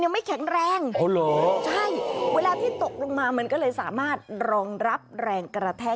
มันยังไม่แข็งแรง